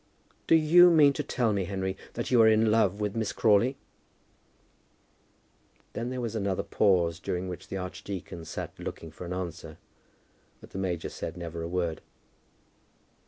"Do you mean to tell me, Henry, that you are in love with Miss Crawley?" Then there was another pause, during which the archdeacon sat looking for an answer; but the major said never a word.